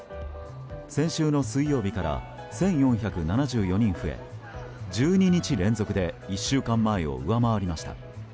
先週の水曜日から１４７４人増え１２日連続で１週間前を上回りました。